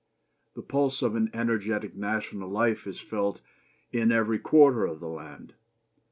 The pulse of an energetic national life is felt in every quarter of the land.